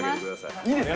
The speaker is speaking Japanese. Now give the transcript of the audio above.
いいですか。